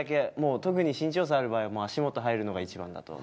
特に身長差ある場合は足元入るのが一番だと思います。